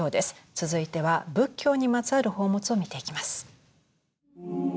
続いては仏教にまつわる宝物を見ていきます。